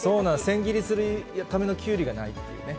千切りするためのきゅうりがないっていうね。